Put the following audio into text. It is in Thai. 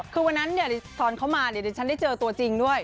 คือวันนั้นเนี่ยทอนเข้ามาเดี๋ยวเดี๋ยวฉันได้เจอตัวจริงด้วย